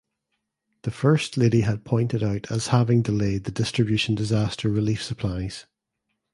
The First Lady had pointed out as having delayed the distribution disaster relief supplies.